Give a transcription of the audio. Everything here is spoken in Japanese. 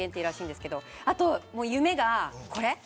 あとは夢がこれ。